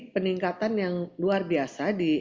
peningkatan yang luar biasa di